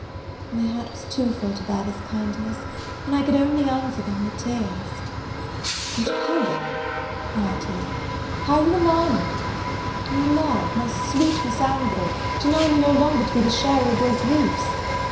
My heart was too full to bear this kindness, and I could only answer by my tears. "Good Heaven," cried he, "how you alarm me! My love, my sweet Miss Anville, deny me no longer to be the sharer of your griefs!